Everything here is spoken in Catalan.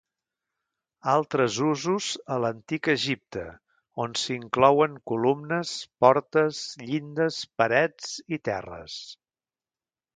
Altres usos a l'Antic Egipte on s'inclouen columnes, portes, llindes, parets i terres.